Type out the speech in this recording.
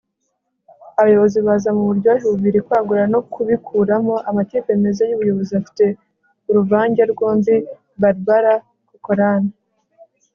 abayobozi baza muburyohe bubiri, kwagura no kubikuramo. amakipe meza y'ubuyobozi afite uruvange rwombi. - barbara corcoran